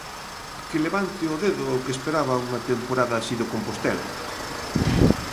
Que levante o dedo o que esperaba unha temporada así do Compostela.